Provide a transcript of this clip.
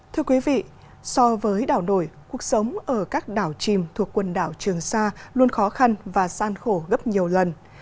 thưa quý vị so với đảo nổi cuộc sống ở các đảo chìm thuộc quần đảo trường sa luôn khó khăn và san khổ gấp nhiều lần